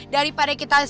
daripada kita sibuk